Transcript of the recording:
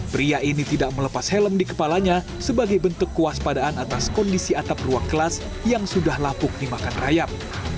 pria ini tidak melepas helm di kepalanya sebagai bentuk kuas padaan atas kondisi atap ruang kelas yang sudah lapuk dimakan rayap